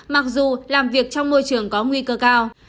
mặc dù làm việc trong môi trường có nguy cơ cao